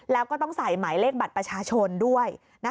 แล้วก็ต้องใส่หมายเลขบัตรประชาชนด้วย